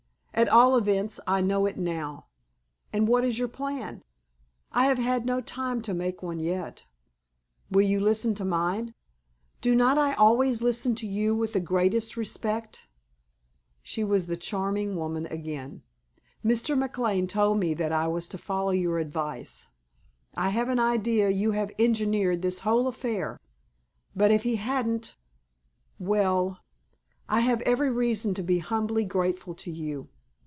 At all events I know it now." "And what is your plan?" "I have had no time to make one yet." "Will you listen to mine?" "Do not I always listen to you with the greatest respect?" She was the charming woman again. "Mr. McLane told me that I was to follow your advice I have an idea you have engineered this whole affair! But if he hadn't well, I have every reason to be humbly grateful to you.